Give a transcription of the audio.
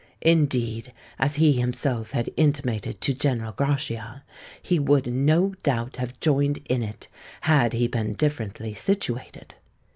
Indeed, as he himself had intimated to General Grachia, he would no doubt have joined in it, had he been differently situated.